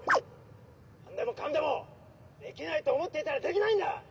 何でもかんでもできないと思っていたらできないんだ！